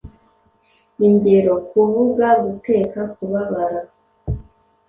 Ingero: Kuvuga, guteka, kubabara…